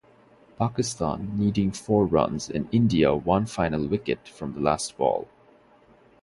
Pakistan needing four runs and India one final wicket from the last ball.